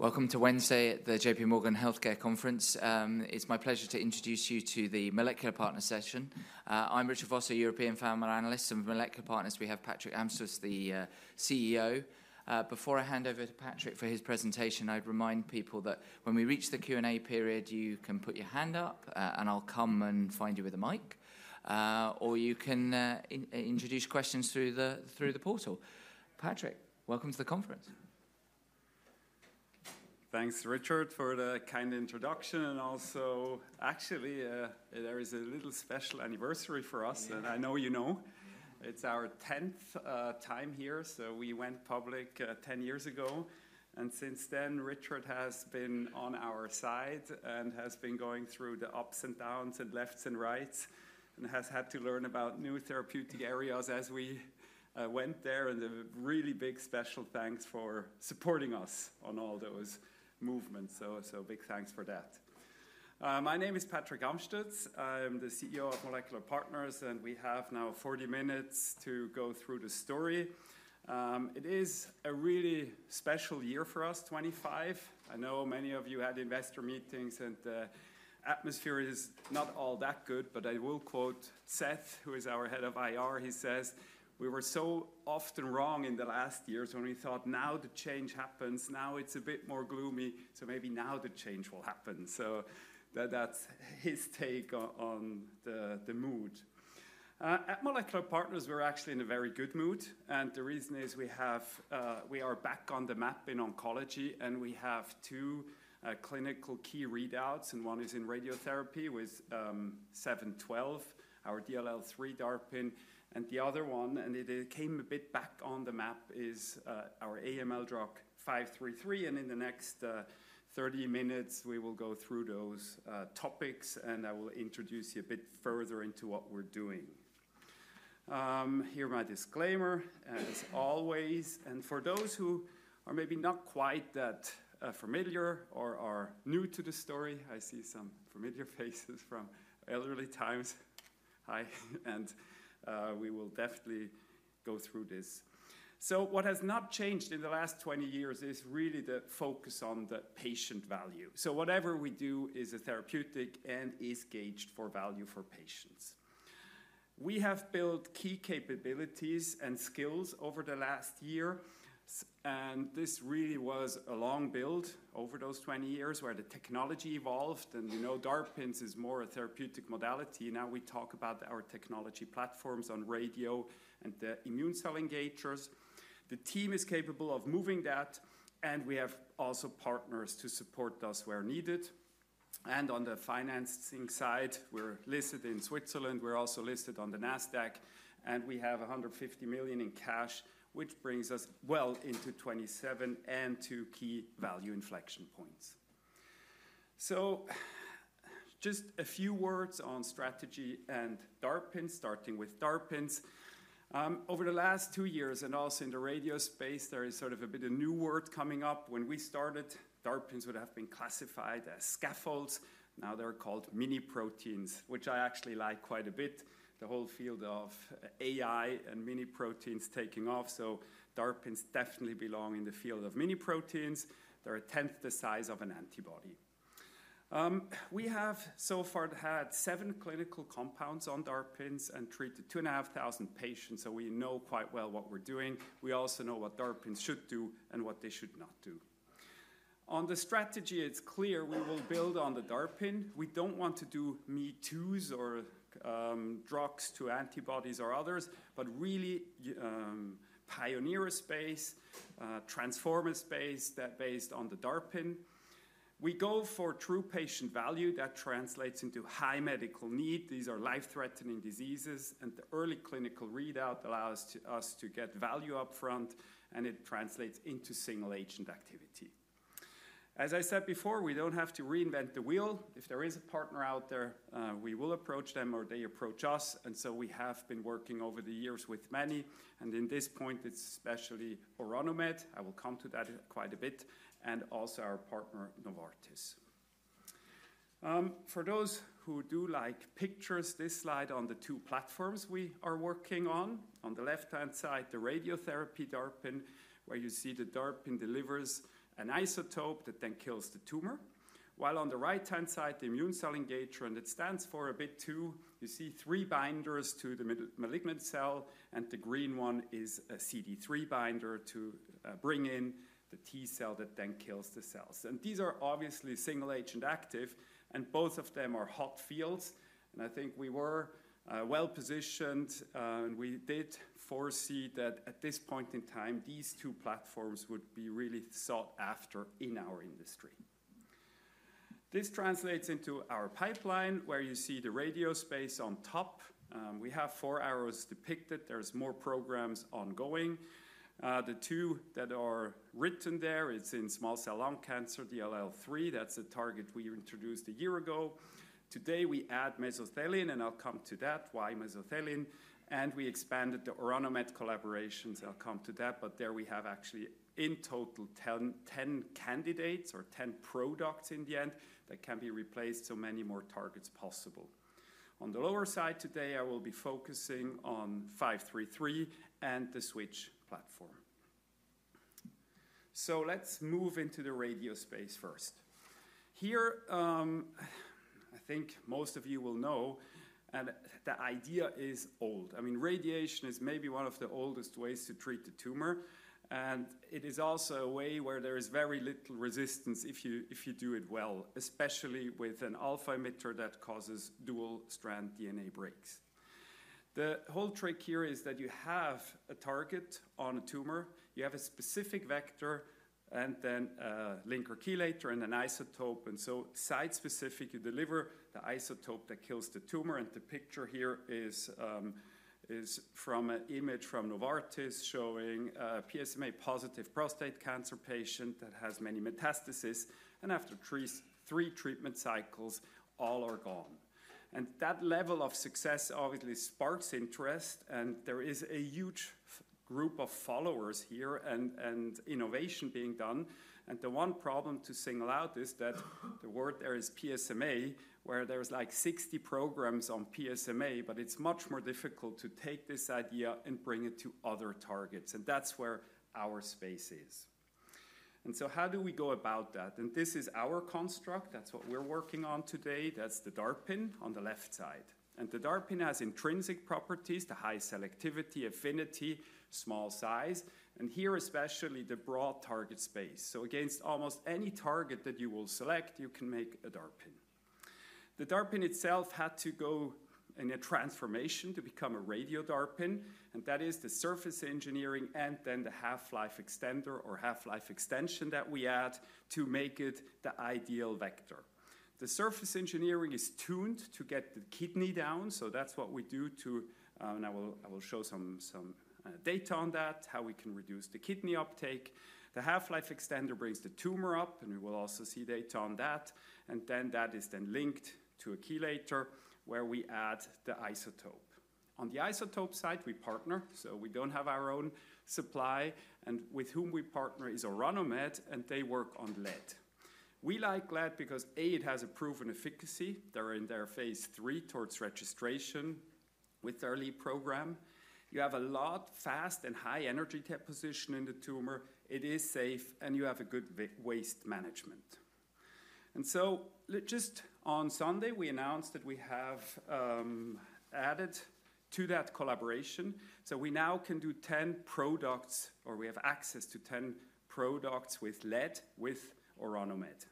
Welcome to Wednesday at the J.P. Morgan Healthcare Conference. It's my pleasure to introduce you to the Molecular Partners session. I'm Richard Vosser, European Pharma and Biotech Analyst, and with Molecular Partners, we have Patrick Amstutz, the CEO. Before I hand over to Patrick for his presentation, I'd remind people that when we reach the Q&A period, you can put your hand up, and I'll come and find you with a mic. Or you can introduce questions through the portal. Patrick, welcome to the conference. Thanks, Richard, for the kind introduction. And also, actually, there is a little special anniversary for us, and I know you know. It's our 10th time here. So we went public 10 years ago. And since then, Richard has been on our side and has been going through the ups and downs and lefts and rights and has had to learn about new therapeutic areas as we went there. And a really big special thanks for supporting us on all those movements. So big thanks for that. My name is Patrick Amstutz. I'm the CEO of Molecular Partners, and we have now 40 minutes to go through the story. It is a really special year for us, 2025. I know many of you had investor meetings, and the atmosphere is not all that good. But I will quote Seth, who is our head of IR. He says, "We were so often wrong in the last years when we thought, 'Now the change happens. Now it's a bit more gloomy.' So maybe now the change will happen." So that's his take on the mood. At Molecular Partners, we're actually in a very good mood. And the reason is we are back on the map in oncology, and we have two clinical key readouts. And one is in radiotherapy with 712, our DLL3 DARPin. And the other one, and it came a bit back on the map, is our AML drug 533. And in the next 30 minutes, we will go through those topics, and I will introduce you a bit further into what we're doing. Here's my disclaimer, as always. And for those who are maybe not quite that familiar or are new to the story, I see some familiar faces from earlier times. Hi. We will definitely go through this. What has not changed in the last 20 years is really the focus on the patient value. Whatever we do is a therapeutic and is gauged for value for patients. We have built key capabilities and skills over the last year. This really was a long build over those 20 years where the technology evolved. We know DARPin is more a therapeutic modality. Now we talk about our technology platforms on radio and the immune cell engagers. The team is capable of moving that, and we have also partners to support us where needed. On the financing side, we're listed in Switzerland. We're also listed on the NASDAQ, and we have 150 million in cash, which brings us well into 2027 and to key value inflection points. Just a few words on strategy and DARPins, starting with DARPins. Over the last two years, and also in the radio space, there is sort of a bit of new word coming up. When we started, DARPins would have been classified as scaffolds. Now they're called mini proteins, which I actually like quite a bit. The whole field of AI and mini proteins is taking off. DARPins definitely belong in the field of mini proteins. They're a tenth the size of an antibody. We have so far had seven clinical compounds on DARPins and treated 2,500 patients. We know quite well what we're doing. We also know what DARPins should do and what they should not do. On the strategy, it's clear we will build on the DARPin. We don't want to do me-toos or drugs to antibodies or others, but really pioneer a space, transform a space based on the DARPin. We go for true patient value that translates into high medical need. These are life-threatening diseases, and the early clinical readout allows us to get value upfront, and it translates into single-agent activity. As I said before, we don't have to reinvent the wheel. If there is a partner out there, we will approach them or they approach us, and so we have been working over the years with many, and in this point, it's especially Orano Med. I will come to that quite a bit, and also our partner, Novartis. For those who do like pictures, this slide on the two platforms we are working on. On the left-hand side, the radiotherapy DARPin, where you see the DARPin delivers an isotope that then kills the tumor. While on the right-hand side, the immune cell engager, and it stands for a BiTE too, you see three binders to the malignant cell, and the green one is a CD3 binder to bring in the T cell that then kills the cells. And these are obviously single-agent active, and both of them are hot fields. And I think we were well positioned, and we did foresee that at this point in time, these two platforms would be really sought after in our industry. This translates into our pipeline, where you see the radio space on top. We have four arrows depicted. There are more programs ongoing. The two that are written there, it's in small cell lung cancer, DLL3. That's a target we introduced a year ago. Today, we add mesothelin, and I'll come to that, why mesothelin, and we expanded the Orano Med collaborations. I'll come to that. But there we have actually in total 10 candidates or 10 products in the end that can be replaced, so many more targets possible. On the lower side today, I will be focusing on 533 and the switch platform. Let's move into the radio space first. Here, I think most of you will know, and the idea is old. I mean, radiation is maybe one of the oldest ways to treat the tumor. It is also a way where there is very little resistance if you do it well, especially with an alpha emitter that causes double-strand DNA breaks. The whole trick here is that you have a target on a tumor, you have a specific vector, and then a linker chelator and an isotope. And so site-specific, you deliver the isotope that kills the tumor. And the picture here is from an image from Novartis showing a PSMA-positive prostate cancer patient that has many metastases. And after three treatment cycles, all are gone. And that level of success obviously sparks interest, and there is a huge group of followers here and innovation being done. And the one problem to single out is that the word there is PSMA, where there are like 60 programs on PSMA, but it's much more difficult to take this idea and bring it to other targets. And that's where our space is. And so how do we go about that? And this is our construct. That's what we're working on today. That's the DARPIN on the left side. And the DARPIN has intrinsic properties, the high selectivity, affinity, small size. And here, especially the broad target space. So against almost any target that you will select, you can make a DARPin. The DARPin itself had to go in a transformation to become a radio-DARPin. And that is the surface engineering and then the half-life extender or half-life extension that we add to make it the ideal vector. The surface engineering is tuned to get the kidney down. So that's what we do, too, and I will show some data on that, how we can reduce the kidney uptake. The half-life extender brings the tumor up, and we will also see data on that. And then that is linked to a chelator where we add the isotope. On the isotope side, we partner. So we don't have our own supply. And with whom we partner is Orano Med, and they work on lead. We like lead because, A, it has a proven efficacy. They're in their phase three towards registration with their lead program. You have a lot fast and high energy deposition in the tumor. It is safe, and you have a good waste management, and so just on Sunday, we announced that we have added to that collaboration, so we now can do 10 products, or we have access to 10 products with lead with Orano Med,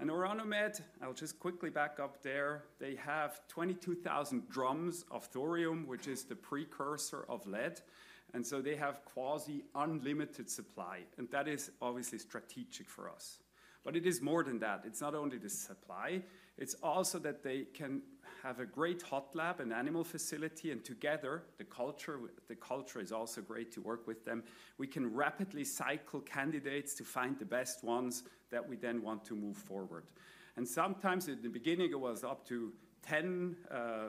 and Orano Med, I'll just quickly back up there, they have 22,000 drums of thorium, which is the precursor of lead, and so they have quasi-unlimited supply, and that is obviously strategic for us, but it is more than that. It's not only the supply. It's also that they can have a great hot lab, an animal facility, and together, the culture is also great to work with them. We can rapidly cycle candidates to find the best ones that we then want to move forward. Sometimes in the beginning, it was up to 10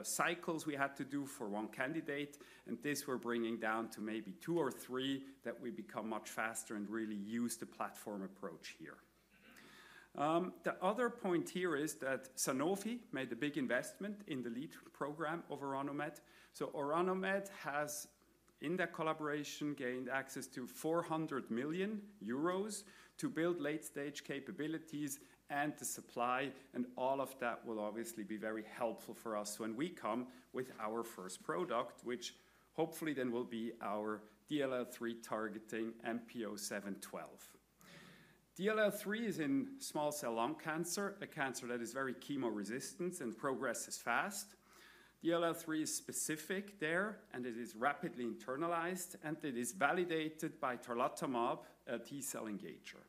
cycles we had to do for one candidate. This we're bringing down to maybe two or three that we become much faster and really use the platform approach here. The other point here is that Sanofi made a big investment in the lead program of Orano Med. Orano Med has, in that collaboration, gained access to 400 million euros to build late-stage capabilities and the supply. All of that will obviously be very helpful for us when we come with our first product, which hopefully then will be our DLL3 targeting MP0712. DLL3 is in small cell lung cancer, a cancer that is very chemo-resistant and progresses fast. DLL3 is specific there, and it is rapidly internalized, and it is validated by Tarlatamab, a T cell engager.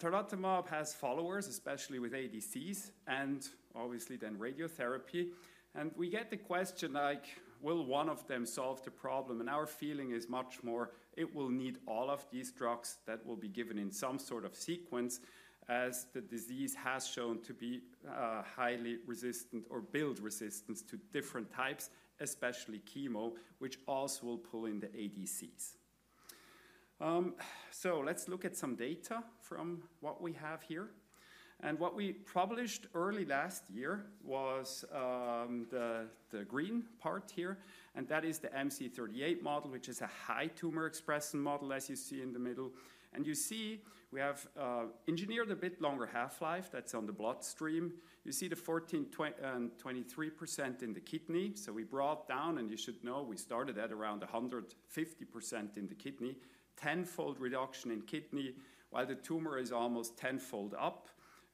Tarlatamab has followers, especially with ADCs and obviously then radiotherapy. We get the question like, will one of them solve the problem? Our feeling is much more it will need all of these drugs that will be given in some sort of sequence as the disease has shown to be highly resistant or build resistance to different types, especially chemo, which also will pull in the ADCs. Let's look at some data from what we have here. What we published early last year was the green part here. That is the MC38 model, which is a high tumor expression model, as you see in the middle. You see we have engineered a bit longer half-life. That's on the bloodstream. You see the 14% and 23% in the kidney. So we brought down, and you should know we started at around 150% in the kidney, tenfold reduction in kidney while the tumor is almost tenfold up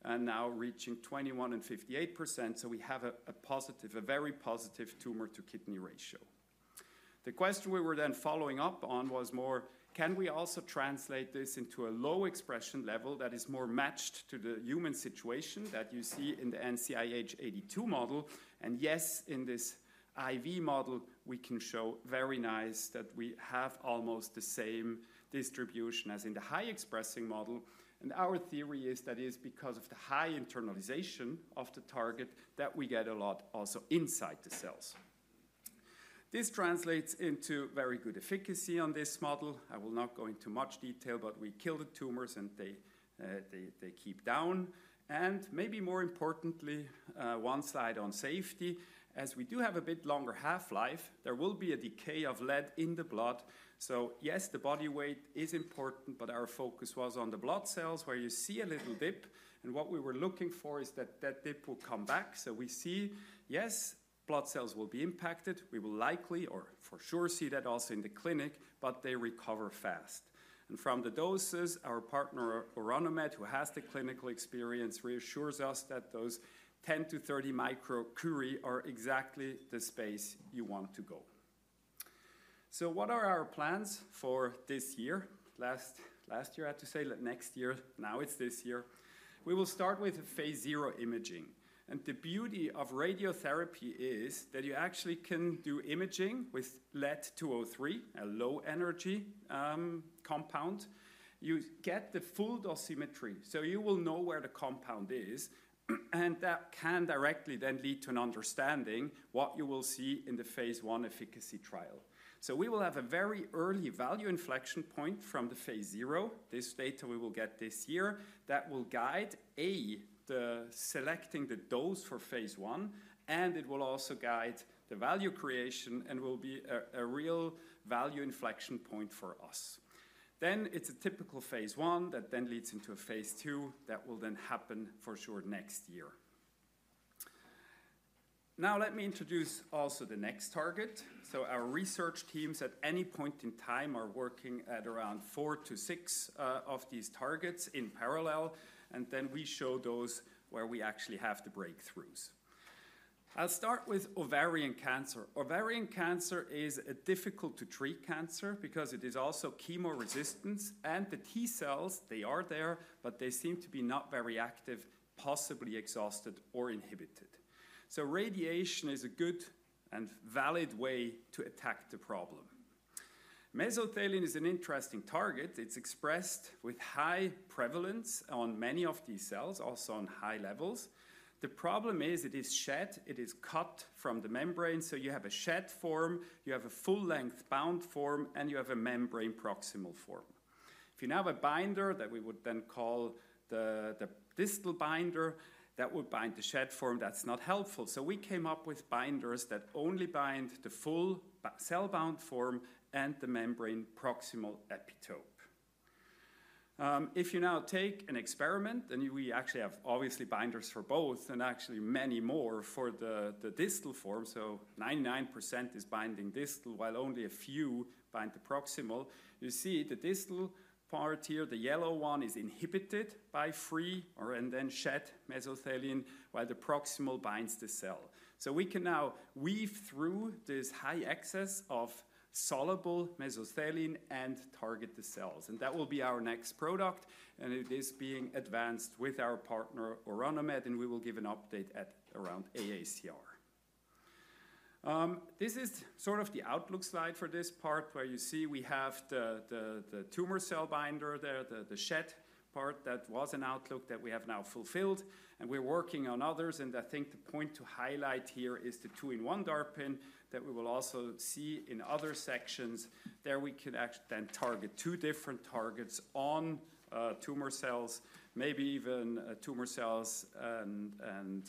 and now reaching 21% and 58%. So we have a positive, a very positive tumor-to-kidney ratio. The question we were then following up on was more, can we also translate this into a low expression level that is more matched to the human situation that you see in the NCI-H82 model? And yes, in this IV model, we can show very nice that we have almost the same distribution as in the high-expressing model. And our theory is that it is because of the high internalization of the target that we get a lot also inside the cells. This translates into very good efficacy on this model. I will not go into much detail, but we kill the tumors and they keep down. Maybe more importantly, one slide on safety. As we do have a bit longer half-life, there will be a decay of lead in the blood. So yes, the body weight is important, but our focus was on the blood cells where you see a little dip. What we were looking for is that that dip will come back. So we see, yes, blood cells will be impacted. We will likely or for sure see that also in the clinic, but they recover fast. From the doses, our partner Orano Med, who has the clinical experience, reassures us that those 10-30 microcurie are exactly the space you want to go. What are our plans for this year? Last year, I had to say next year. Now it's this year. We will start with Phase 0 imaging. The beauty of radiotherapy is that you actually can do imaging with lead-203, a low-energy compound. You get the full dosimetry. You will know where the compound is. That can directly then lead to an understanding what you will see in the phase one efficacy trial. We will have a very early value inflection point from the phase zero. This data we will get this year that will guide, A, the selecting the dose for phase one. It will also guide the value creation and will be a real value inflection point for us. It's a typical phase one that then leads into a phase two that will then happen for sure next year. Now let me introduce also the next target. Our research teams at any point in time are working at around four to six of these targets in parallel. And then we show those where we actually have the breakthroughs. I'll start with ovarian cancer. Ovarian cancer is a difficult-to-treat cancer because it is also chemo-resistant. And the T cells, they are there, but they seem to be not very active, possibly exhausted or inhibited. So radiation is a good and valid way to attack the problem. Mesothelin is an interesting target. It's expressed with high prevalence on many of these cells, also on high levels. The problem is it is shed. It is cut from the membrane. So you have a shed form. You have a full-length bound form, and you have a membrane proximal form. If you now have a binder that we would then call the distal binder that would bind the shed form, that's not helpful. So we came up with binders that only bind the full cell-bound form and the membrane proximal epitope. If you now take an experiment, and we actually have obviously binders for both and actually many more for the distal form. So 99% is binding distal while only a few bind the proximal. You see the distal part here, the yellow one is inhibited by free soluble and shed mesothelin while the proximal binds the cell. So we can now weave through this high excess of soluble mesothelin and target the cells. And that will be our next product. And it is being advanced with our partner Orano Med, and we will give an update at around AACR. This is sort of the outlook slide for this part where you see we have the tumor cell binder there, the shed part that was an outlook that we have now fulfilled. And we're working on others. I think the point to highlight here is the two-in-one DARPIN that we will also see in other sections. There we can actually then target two different targets on tumor cells, maybe even tumor cells and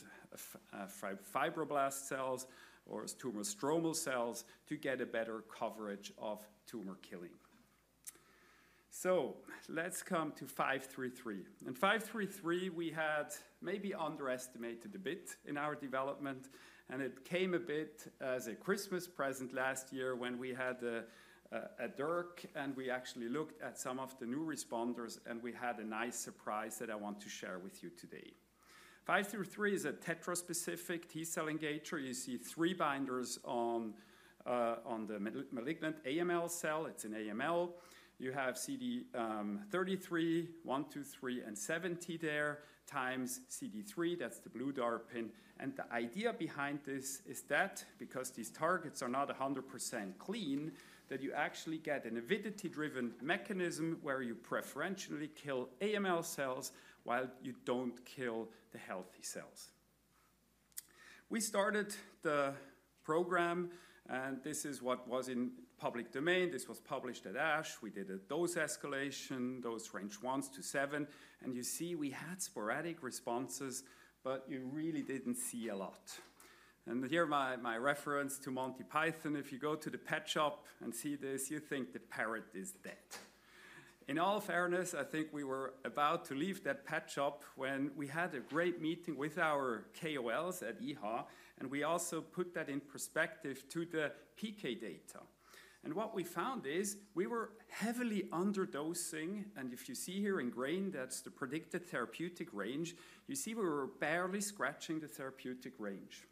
fibroblast cells or tumor stromal cells to get a better coverage of tumor killing. Let's come to 533. In 533, we had maybe underestimated a bit in our development. It came a bit as a Christmas present last year when we had a DRC. We actually looked at some of the new responders, and we had a nice surprise that I want to share with you today. 533 is a tetraspecific T cell engager. You see three binders on the malignant AML cell. It's an AML. You have CD33, 123, and 70 targeting CD3. That's the blue DARPIN. The idea behind this is that because these targets are not 100% clean, that you actually get an avidity-driven mechanism where you preferentially kill AML cells while you don't kill the healthy cells. We started the program, and this is what was in public domain. This was published at ASH. We did a dose escalation, dose range one to seven. You see we had sporadic responses, but you really didn't see a lot. Here my reference to Monty Python. If you go to the pet shop and see this, you think the parrot is dead. In all fairness, I think we were about to leave that pet shop when we had a great meeting with our KOLs at EHA. We also put that in perspective to the PK data. What we found is we were heavily underdosing. And if you see here in green, that's the predicted therapeutic range. You see we were barely scratching the therapeutic range.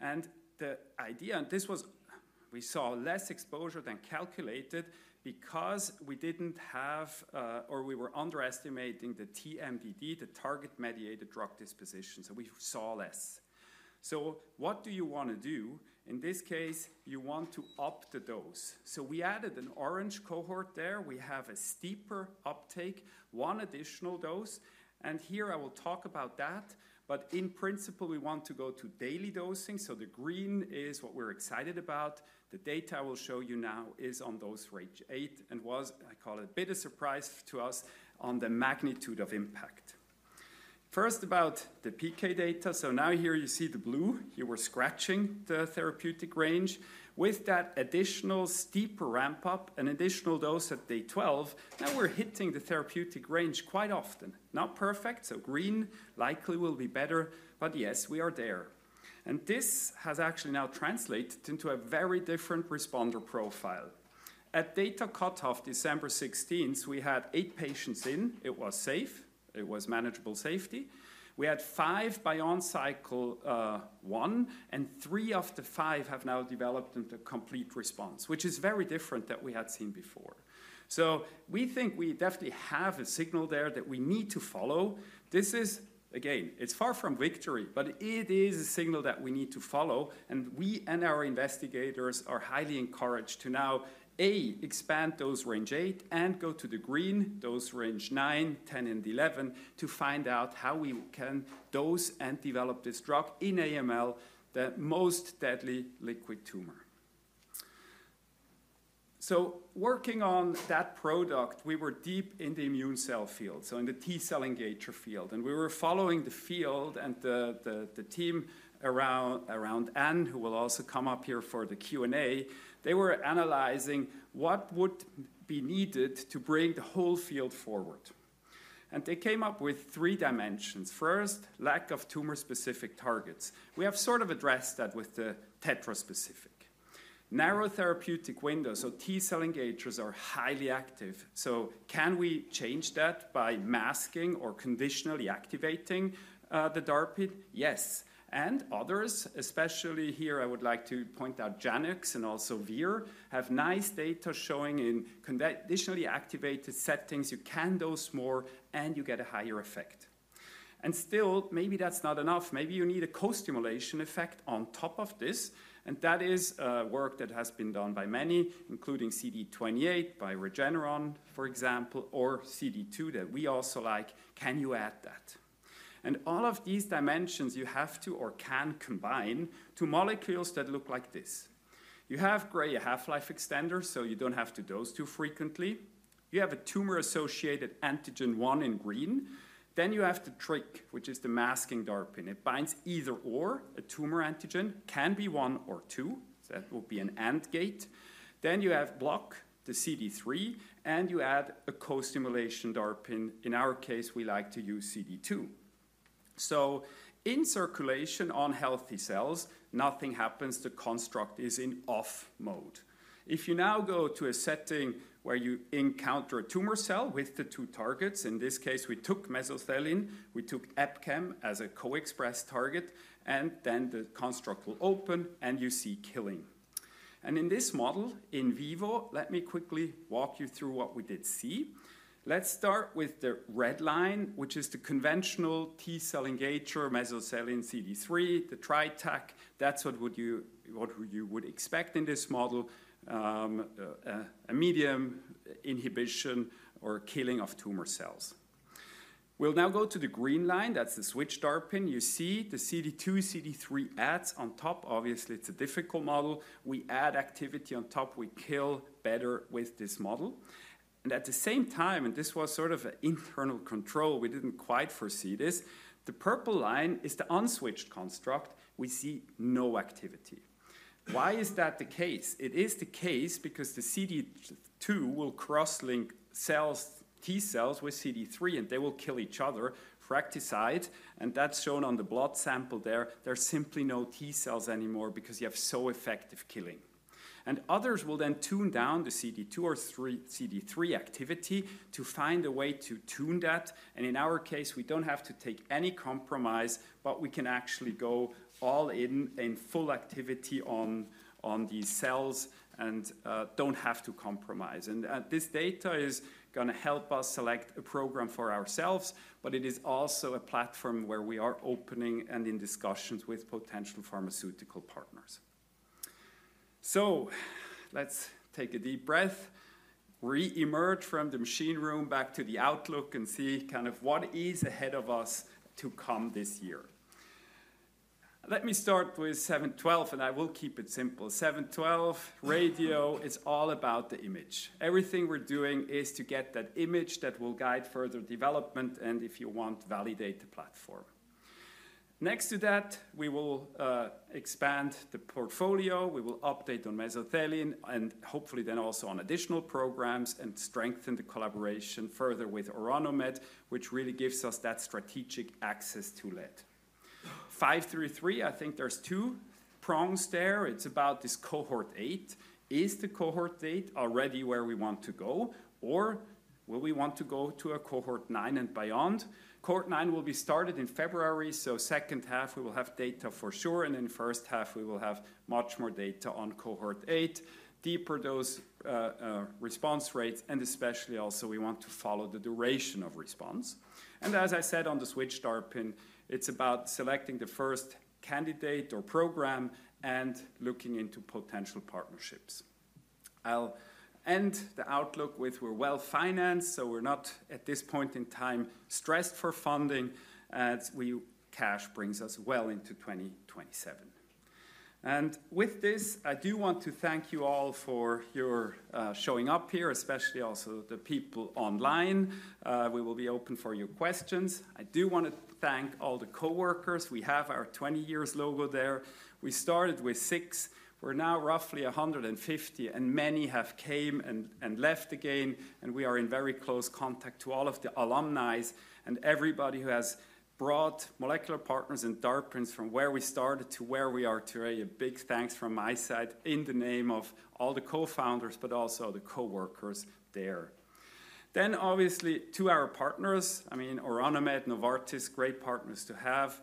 And the idea, and this was we saw less exposure than calculated because we didn't have or we were underestimating the TMDD, the Target-Mediated Drug Disposition. So we saw less. So what do you want to do? In this case, you want to up the dose. So we added an orange cohort there. We have a steeper uptake, one additional dose. And here I will talk about that. But in principle, we want to go to daily dosing. So the green is what we're excited about. The data I will show you now is on dose range eight and was, I call it a bit of surprise to us on the magnitude of impact. First about the PK data. So now here you see the blue. You were scratching the therapeutic range. With that additional steeper ramp-up, an additional dose at day 12, now we're hitting the therapeutic range quite often. Not perfect, so green likely will be better, but yes, we are there, and this has actually now translated into a very different responder profile. At data cutoff, December 16th, we had eight patients in. It was safe. It was manageable safety. We had five by on-cycle one, and three of the five have now developed into complete response, which is very different than we had seen before, so we think we definitely have a signal there that we need to follow. This is, again, it's far from victory, but it is a signal that we need to follow. We and our investigators are highly encouraged to now, A, expand dose range eight and go to the green, dose range nine, 10, and 11 to find out how we can dose and develop this drug in AML, the most deadly liquid tumor. Working on that product, we were deep in the immune cell field, so in the T cell engager field. We were following the field and the team around Anne, who will also come up here for the Q&A. They were analyzing what would be needed to bring the whole field forward. They came up with three dimensions. First, lack of tumor-specific targets. We have sort of addressed that with the tetraspecific. Narrow therapeutic windows, so T cell engagers are highly active. Can we change that by masking or conditionally activating the DARPIN? Yes. And others, especially here, I would like to point out Janux and also VR have nice data showing in conditionally activated settings. You can dose more, and you get a higher effect. And still, maybe that's not enough. Maybe you need a co-stimulation effect on top of this. And that is work that has been done by many, including CD28 by Regeneron, for example, or CD2 that we also like. Can you add that? And all of these dimensions, you have to or can combine two molecules that look like this. You have gray half-life extender, so you don't have to dose too frequently. You have a tumor-associated antigen one in green. Then you have the trick, which is the masking DARPIN. It binds either/or. A tumor antigen can be one or two. That will be an AND gate. Then you have block, the CD3, and you add a co-stimulation DARPIN. In our case, we like to use CD2. So in circulation on healthy cells, nothing happens. The construct is in off mode. If you now go to a setting where you encounter a tumor cell with the two targets, in this case, we took Mesothelin. We took EpCAM as a co-express target. And then the construct will open, and you see killing. And in this model, in vivo, let me quickly walk you through what we did see. Let's start with the red line, which is the conventional T cell engager, Mesothelin, CD3, the TriTAC. That's what you would expect in this model, a medium inhibition or killing of tumor cells. We'll now go to the green line. That's the Switch-DARPin. You see the CD2, CD3 adds on top. Obviously, it's a difficult model. We add activity on top. We kill better with this model. And at the same time, and this was sort of an internal control, we didn't quite foresee this. The purple line is the unswitched construct. We see no activity. Why is that the case? It is the case because the CD2 will cross-link T cells with CD3, and they will kill each other, fratricide. And that's shown on the blood sample there. There's simply no T cells anymore because you have so effective killing. And others will then tune down the CD2 or CD3 activity to find a way to tune that. And in our case, we don't have to take any compromise, but we can actually go all in in full activity on these cells and don't have to compromise. And this data is going to help us select a program for ourselves, but it is also a platform where we are opening and in discussions with potential pharmaceutical partners. So let's take a deep breath, re-emerge from the machine room, back to the outlook, and see kind of what is ahead of us to come this year. Let me start with 712, and I will keep it simple. 712 radio is all about the image. Everything we're doing is to get that image that will guide further development and, if you want, validate the platform. Next to that, we will expand the portfolio. We will update on mesothelin and hopefully then also on additional programs and strengthen the collaboration further with Orano Med, which really gives us that strategic access to lead. 533, I think there's two prongs there. It's about this cohort eight. Is the cohort eight already where we want to go, or will we want to go to a cohort nine and beyond? Cohort nine will be started in February. So second half, we will have data for sure. And in first half, we will have much more data on cohort eight, deeper dose response rates, and especially also we want to follow the duration of response. And as I said on the Switch-DARPin, it's about selecting the first candidate or program and looking into potential partnerships. I'll end the outlook with we're well-financed, so we're not at this point in time stressed for funding. Our cash brings us well into 2027. And with this, I do want to thank you all for your showing up here, especially also the people online. We will be open for your questions. I do want to thank all the coworkers. We have our 20 years logo there. We started with six. We're now roughly 150, and many have come and left the game. And we are in very close contact to all of the alumni and everybody who has brought Molecular Partners and DARPINs from where we started to where we are today. A big thanks from my side in the name of all the co-founders, but also the coworkers there. Then obviously to our partners, I mean, Orano Med, Novartis, great partners to have.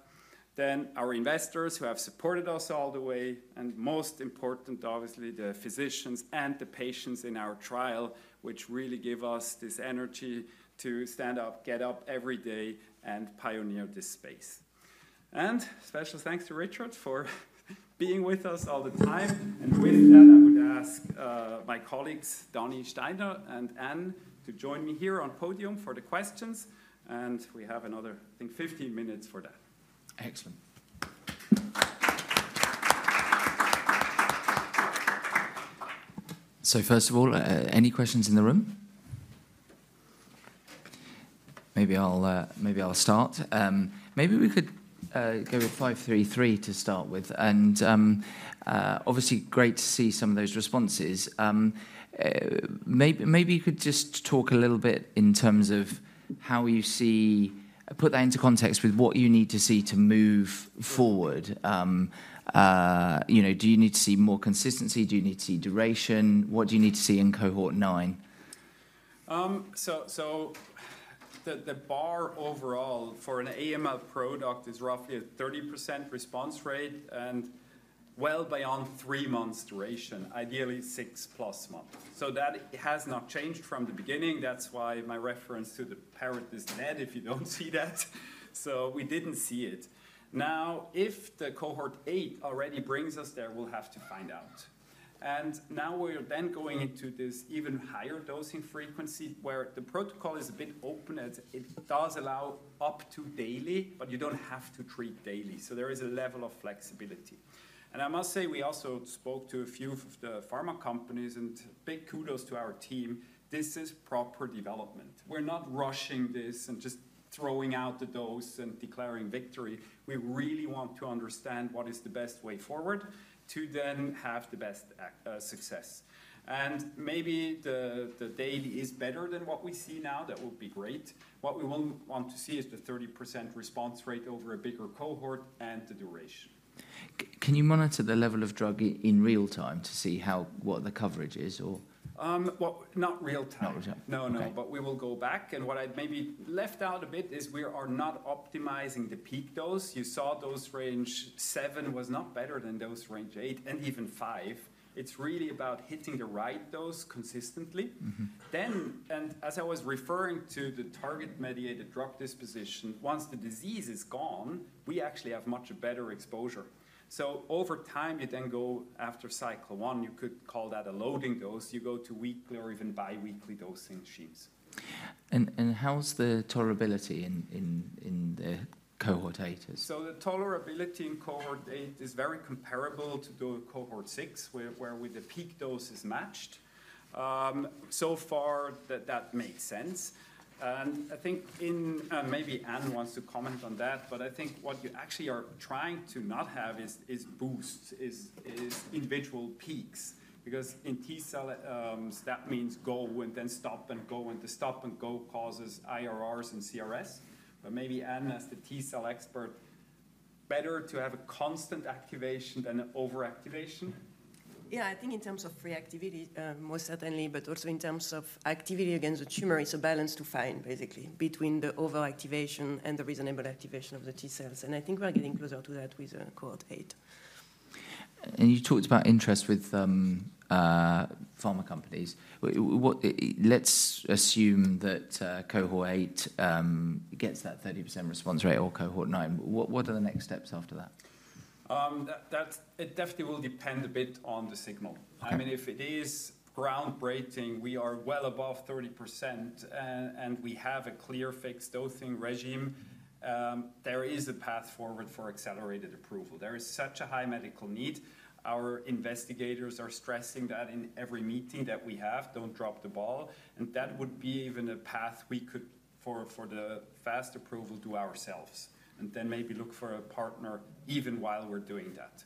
Then our investors who have supported us all the way. And most important, obviously, the physicians and the patients in our trial, which really give us this energy to stand up, get up every day, and pioneer this space. And special thanks to Richard for being with us all the time. And with that, I would ask my colleagues, Dani Steiner and Anne, to join me here on podium for the questions. And we have another, I think, 15 minutes for that. Excellent. So first of all, any questions in the room? Maybe I'll start. Maybe we could go with 533 to start with. And obviously, great to see some of those responses. Maybe you could just talk a little bit in terms of how you see put that into context with what you need to see to move forward. Do you need to see more consistency? Do you need to see duration? What do you need to see in cohort nine? So the bar overall for an AML product is roughly a 30% response rate and well beyond three months duration, ideally six plus months. So that has not changed from the beginning. That's why my reference to the partial is dead if you don't see that. So we didn't see it. Now, if the cohort eight already brings us there, we'll have to find out. And now we're then going into this even higher dosing frequency where the protocol is a bit open. It does allow up to daily, but you don't have to treat daily. So there is a level of flexibility. And I must say, we also spoke to a few of the pharma companies, and big kudos to our team. This is proper development. We're not rushing this and just throwing out the dose and declaring victory. We really want to understand what is the best way forward to then have the best success. And maybe the daily is better than what we see now. That would be great. What we will want to see is the 30% response rate over a bigger cohort and the duration. Can you monitor the level of drug in real time to see what the coverage is or? Well, not real time. No, no, but we will go back. And what I maybe left out a bit is we are not optimizing the peak dose. You saw dose range seven was not better than dose range eight and even five. It's really about hitting the right dose consistently. Then, and as I was referring to the target-mediated drug disposition, once the disease is gone, we actually have much better exposure. So over time, you then go after cycle one, you could call that a loading dose. You go to weekly or even biweekly dosing schemes. And how's the tolerability in the cohort eight? The tolerability in cohort eight is very comparable to cohort six, where the peak dose is matched. So far, that makes sense. And I think, maybe Anne wants to comment on that, but I think what you actually are trying to not have is boosts, is individual peaks, because in T cells, that means go and then stop and go. And the stop and go causes IRRs and CRS. But maybe Anne, as the T cell expert, better to have a constant activation than an overactivation? Yeah, I think in terms of reactivity, most certainly, but also in terms of activity against the tumor, it's a balance to find basically between the overactivation and the reasonable activation of the T cells. And I think we're getting closer to that with cohort eight. And you talked about interest with pharma companies. Let's assume that cohort eight gets that 30% response rate or cohort nine. What are the next steps after that? It definitely will depend a bit on the signal. I mean, if it is groundbreaking, we are well above 30%, and we have a clear fixed dosing regime, there is a path forward for accelerated approval. There is such a high medical need. Our investigators are stressing that in every meeting that we have. Don't drop the ball, and that would be even a path we could for the fast approval do ourselves. Then maybe look for a partner even while we're doing that.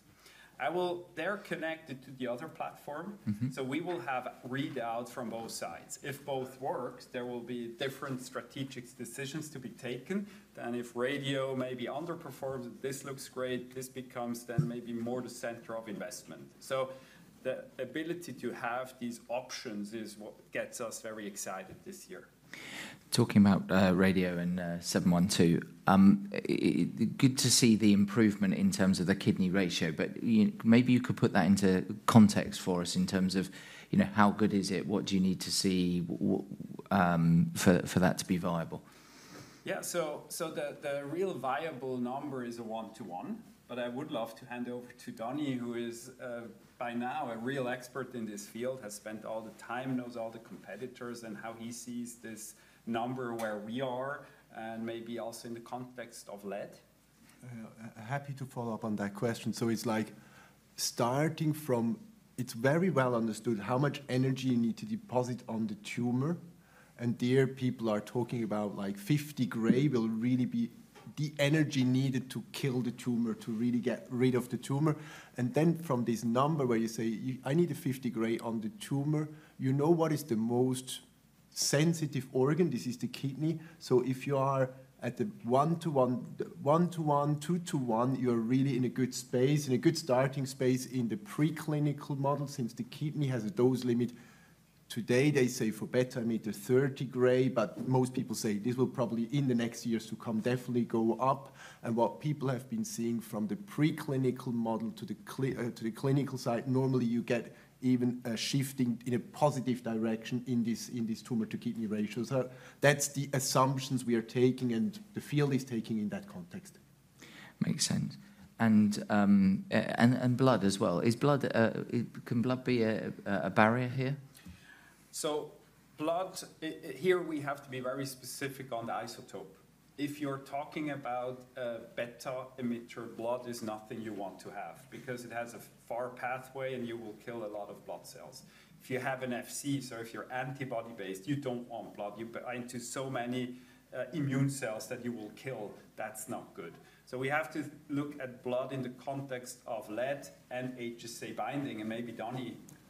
I will there connect it to the other platform. So we will have readouts from both sides. If both work, there will be different strategic decisions to be taken. Then if radio maybe underperforms, this looks great. This becomes then maybe more the center of investment, so the ability to have these options is what gets us very excited this year. Talking about Radio-DARPin 712, good to see the improvement in terms of the kidney ratio, but maybe you could put that into context for us in terms of how good is it? What do you need to see for that to be viable? Yeah, so the real viable number is a one to one, but I would love to hand over to Dani, who is by now a real expert in this field, has spent all the time, knows all the competitors, and how he sees this number where we are and maybe also in the context of lead. Happy to follow up on that question, so it's like starting from it's very well understood how much energy you need to deposit on the tumor. There, people are talking about like 50 gray will really be the energy needed to kill the tumor, to really get rid of the tumor. Then from this number where you say, I need a 50 gray on the tumor, you know what is the most sensitive organ? This is the kidney. So if you are at the one to one, one to one, two to one, you are really in a good space, in a good starting space in the preclinical model since the kidney has a dose limit. Today, they say for bone marrow to meet the 30 gray, but most people say this will probably in the next years to come definitely go up. What people have been seeing from the preclinical model to the clinical side, normally you get even a shifting in a positive direction in this tumor to kidney ratios. That's the assumptions we are taking and the field is taking in that context. Makes sense, and blood as well. Can blood be a barrier here? So blood, here we have to be very specific on the isotope. If you're talking about beta-emitter, blood is nothing you want to have because it has a far pathway and you will kill a lot of blood cells. If you have an FC, or if you're antibody-based, you don't want blood. You bind to so many immune cells that you will kill. That's not good. So we have to look at blood in the context of lead and HSA binding. And maybe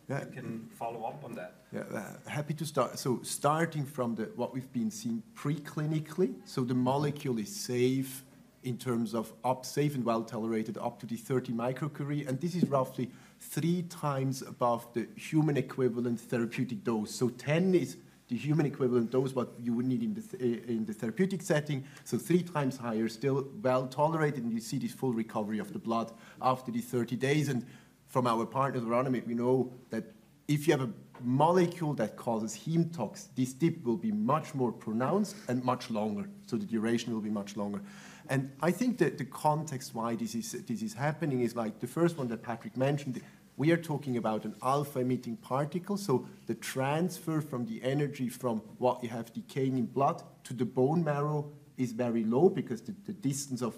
Dani can follow up on that. Yeah, happy to start. So starting from what we've been seeing preclinically, so the molecule is safe in terms of toxicity, safe and well-tolerated up to the 30 microcurie. This is roughly three times above the human equivalent therapeutic dose. So 10 is the human equivalent dose, what you would need in the therapeutic setting. So three times higher, still well tolerated. And you see this full recovery of the blood after the 30 days. And from our partners, we know that if you have a molecule that causes heme tox, this dip will be much more pronounced and much longer. So the duration will be much longer. And I think that the context why this is happening is like the first one that Patrick mentioned. We are talking about an alpha-emitting particle. So the transfer from the energy from what you have decaying in blood to the bone marrow is very low because the distance of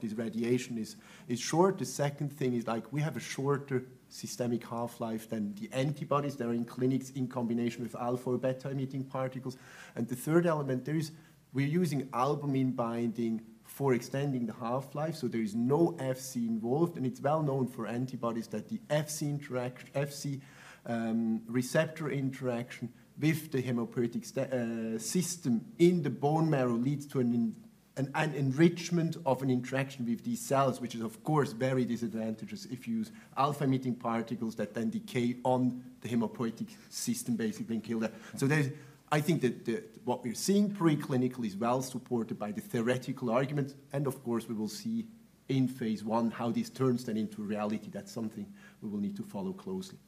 this radiation is short. The second thing is like we have a shorter systemic half-life than the antibodies that are in clinics in combination with alpha or beta-emitting particles. And the third element there is we're using albumin binding for extending the half-life. So there is no Fc involved. And it's well known for antibodies that the FC receptor interaction with the hematopoietic system in the bone marrow leads to an enrichment of an interaction with these cells, which is of course very disadvantageous if you use alpha-emitting particles that then decay on the hematopoietic system basically and kill that. So I think that what we're seeing preclinically is well supported by the theoretical argument. And of course, we will see in phase 1 how these turns then into reality. That's something we will need to follow closely.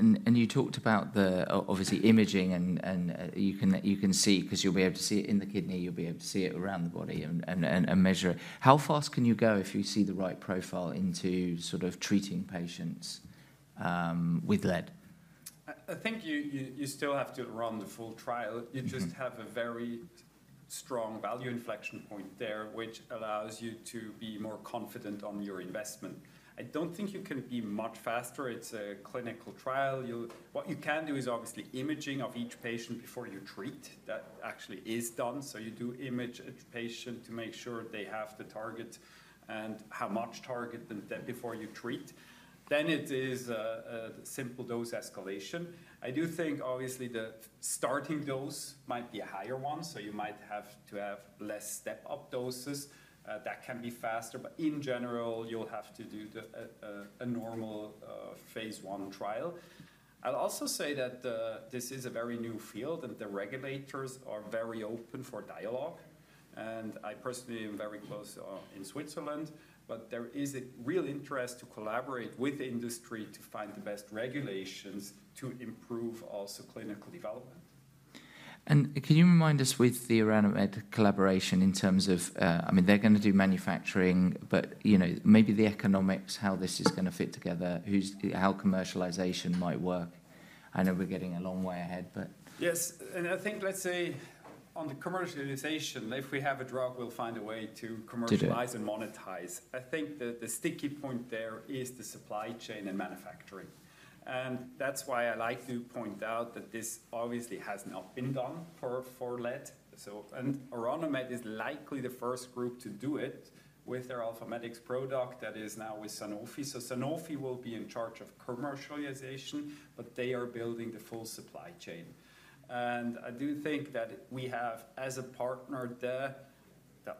You talked about the obvious imaging, and you can see because you'll be able to see it in the kidney. You'll be able to see it around the body and measure it. How fast can you go if you see the right profile into sort of treating patients with lead? I think you still have to run the full trial. You just have a very strong value inflection point there, which allows you to be more confident on your investment. I don't think you can be much faster. It's a clinical trial. What you can do is obviously imaging of each patient before you treat. That actually is done. So you do image a patient to make sure they have the target and how much target before you treat. Then it is a simple dose escalation. I do think obviously the starting dose might be a higher one. So you might have to have less step-up doses. That can be faster. But in general, you'll have to do a normal phase 1 trial. I'll also say that this is a very new field and the regulators are very open for dialogue. And I personally am very close in Switzerland, but there is a real interest to collaborate with industry to find the best regulations to improve also clinical development. And can you remind us with the Orano Med collaboration in terms of, I mean, they're going to do manufacturing, but maybe the economics, how this is going to fit together, how commercialization might work. I know we're getting a long way ahead, but. Yes. And I think let's say on the commercialization, if we have a drug, we'll find a way to commercialize and monetize. I think the sticky point there is the supply chain and manufacturing. And that's why I like to point out that this obviously has not been done for lead. And Orano Med is likely the first group to do it with their AlphaMedix product that is now with Sanofi. So Sanofi will be in charge of commercialization, but they are building the full supply chain. And I do think that we have as a partner the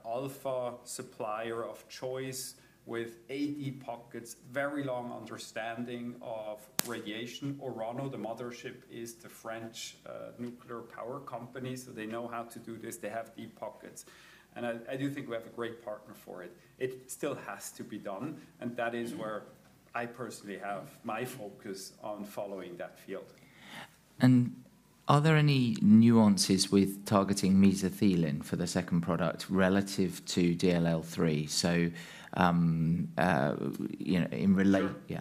alpha supplier of choice with deep pockets, very long understanding of radiation. Orano, the mothership, is the French nuclear power company. So they know how to do this. They have the deep pockets. And I do think we have a great partner for it. It still has to be done. And that is where I personally have my focus on following that field. And are there any nuances with targeting mesothelin for the second product relative to DLL3? So in relation. Yeah.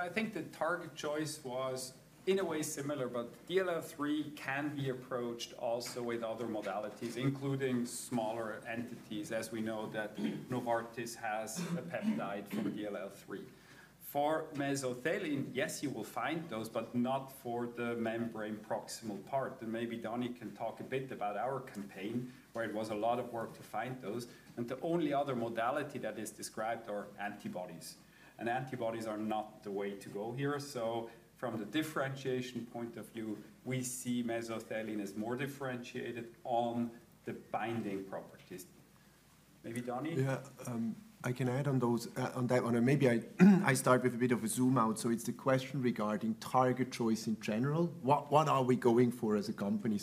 I think the target choice was in a way similar, but DLL3 can be approached also with other modalities, including smaller entities as we know that Novartis has a peptide from DLL3. For mesothelin, yes, you will find those, but not for the membrane proximal part. And maybe Dani can talk a bit about our campaign where it was a lot of work to find those. And the only other modality that is described are antibodies. And antibodies are not the way to go here. So from the differentiation point of view, we see mesothelin as more differentiated on the binding properties. Maybe Dani. Yeah, I can add on that one. And maybe I start with a bit of a zoom out. So it's the question regarding target choice in general. What are we going for as a company?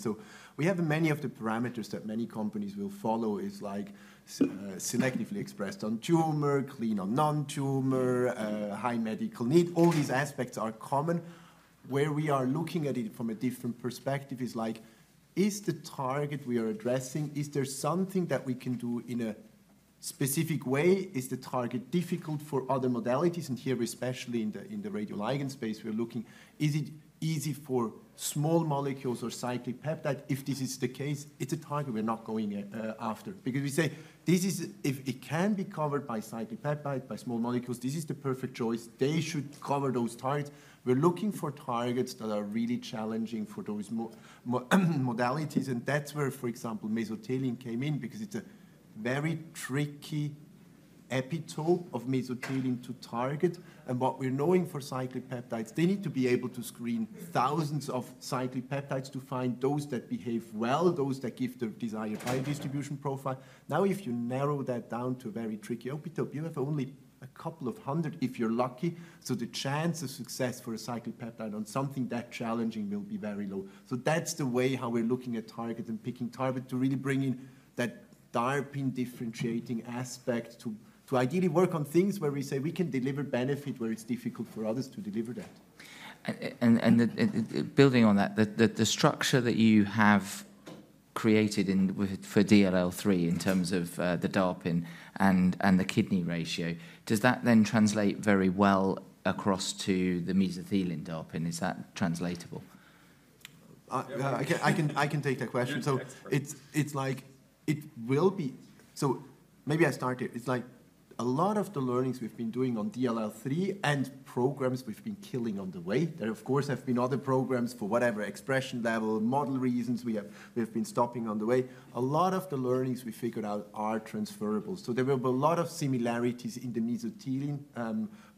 We have many of the parameters that many companies will follow is like selectively expressed on tumor, clean on non-tumor, high medical need. All these aspects are common. Where we are looking at it from a different perspective is like, is the target we are addressing, is there something that we can do in a specific way? Is the target difficult for other modalities? And here, especially in the radioligand space, we're looking, is it easy for small molecules or cyclic peptide? If this is the case, it's a target we're not going after. Because we say, if it can be covered by cyclic peptide, by small molecules, this is the perfect choice. They should cover those targets. We're looking for targets that are really challenging for those modalities. And that's where, for example, mesothelin came in because it's a very tricky epitope of mesothelin to target. What we're knowing for cyclic peptides, they need to be able to screen thousands of cyclic peptides to find those that behave well, those that give the desired biodistribution profile. Now, if you narrow that down to a very tricky epitope, you have only a couple of hundred if you're lucky. The chance of success for a cyclic peptide on something that challenging will be very low. That's the way how we're looking at target and picking target to really bring in that DARPin differentiating aspect to ideally work on things where we say we can deliver benefit where it's difficult for others to deliver that. Building on that, the structure that you have created for DLL3 in terms of the DARPin and the kidney ratio, does that then translate very well across to the Mesothelin DARPin? Is that translatable? I can take that question. So it's like it will be. So maybe I start here. It's like a lot of the learnings we've been doing on DLL3 and programs we've been killing on the way. There, of course, have been other programs for whatever expression level, model reasons we have been stopping on the way. A lot of the learnings we figured out are transferable. So there were a lot of similarities in the mesothelin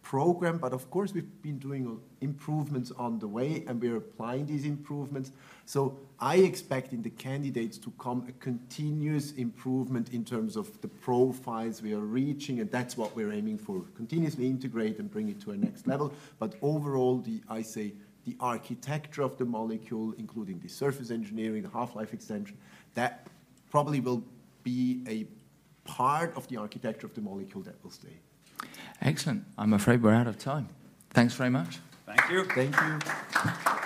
program, but of course, we've been doing improvements on the way and we're applying these improvements. So I expect in the candidates to come a continuous improvement in terms of the profiles we are reaching. And that's what we're aiming for, continuously integrate and bring it to a next level. But overall, I say the architecture of the molecule, including the surface engineering, the half-life extension, that probably will be a part of the architecture of the molecule that will stay. Excellent. I'm afraid we're out of time. Thanks very much. Thank you. Thank you.